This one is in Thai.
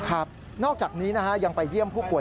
ครับนอกจากนี้ยังไปเยี่ยมผู้ป่วย